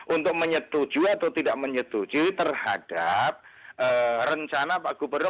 untuk menyetuju atau tidak menyetujui terhadap rencana pak gubernur